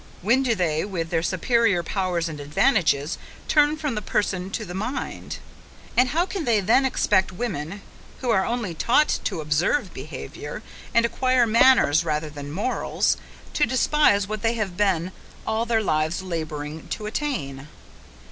When do they, with their superior powers and advantages, turn from the person to the mind? And how can they then expect women, who are only taught to observe behaviour, and acquire manners rather than morals, to despise what they have been all their lives labouring to attain?